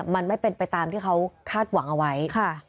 มันไม่เป็นไปตามที่เขาคาดหวังเอาไว้